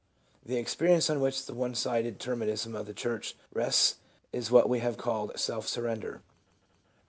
The experience on which the one sided determinism of the church rests is what we have called " self surrender."